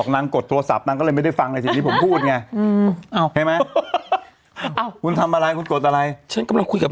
นักสืบ